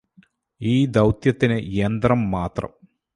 ഈ ദൌത്യത്തിന് യന്ത്രം മാത്രം